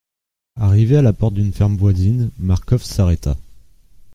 Arrivé à la porte d'une ferme voisine, Marcof s'arrêta.